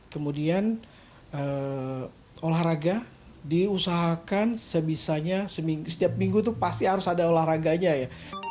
kemudian olahraga diusahakan sebisanya setiap minggu itu pasti harus ada olahraganya ya